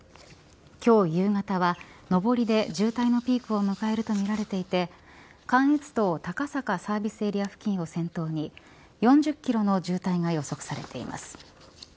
今日夕方は上りで渋滞のピークを迎えるとみられていて関越道高坂サービスエリア付近を先頭に４０キロの渋滞が予測されています。